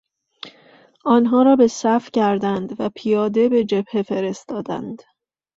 آنها را به صف کردند و پیاده به جبهه فرستادند.